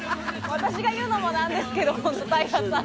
私が言うのもなんですけど。